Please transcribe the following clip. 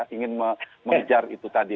ingin mengejar itu tadi